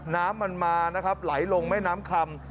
น้ำมันมานะครับไหลลงแม่น้ำคำ